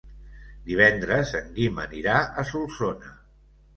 Divendres en Guim anirà a Solsona.